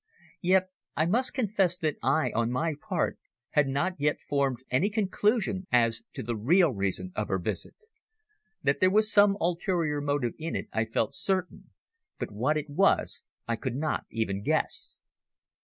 Yet I must confess that I, on my part, had not yet formed any conclusion as to the real reason of her visit. That there was some ulterior motive in it I felt certain, but what it was I could not even guess.